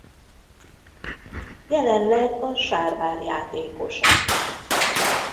Jelenleg a Sárvár játékosa.